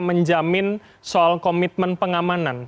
menjamin soal komitmen pengamanan